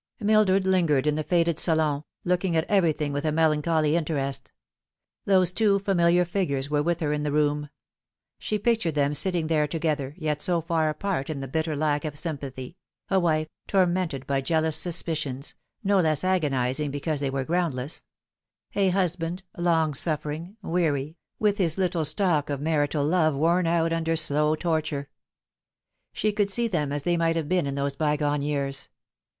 Mildred lingered in the faded salon, looking at everything with a melancholy interest. Those two familiar figures were with her in the room. She pictured them sitting there together, yet so far apart in the bitter lack of sympathy a wife, tor mented by jealous suspicions, no less agonising because they were groundless ; a husband, long suffering, weary, with his tittle stock of marital love worn out undjr slow torture. Sh 238 Tfie Fatal Three. could see them as they might have been in those bygone years.